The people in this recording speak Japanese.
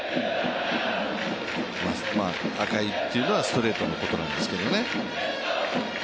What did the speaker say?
赤いというのはストレートのことなんですけどね。